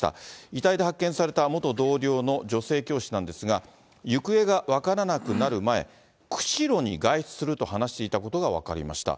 遺体で発見された元同僚の女性教師なんですが、行方が分からなくなる前、釧路に外出すると話していたことが分かりました。